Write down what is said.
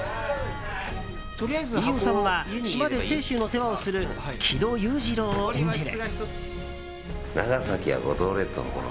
飯尾さんは島で清舟の世話をする木戸裕次郎を演じる。